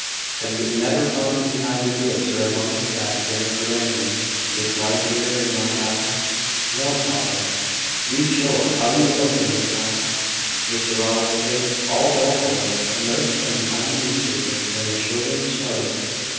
"Have you never found me behind the deals, or among the sacks in the granary, with my finger in my eye?" "No, papa. Do show us how you look when you cry." Mr Rowland's face, all dolefulness, emerged from behind the newspaper, and the children shouted.